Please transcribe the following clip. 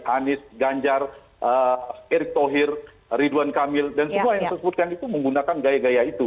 anies ganjar erick thohir ridwan kamil dan semua yang saya sebutkan itu menggunakan gaya gaya itu